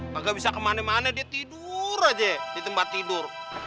maka bisa kemana mana dia tidur aja di tempat tidur